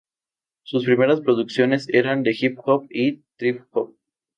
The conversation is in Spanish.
Sus primeras producciones eran de Hip-Hop y Trip-Hop.